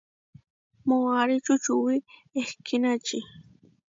Moʼarí čučuwí ehkínači.